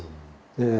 ええ。